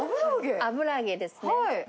油揚げですね。